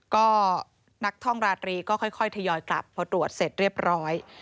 ก็นักท่องราตรีก็ค่อยทยอยกลับพอตรวจเสร็จเรียบร้อย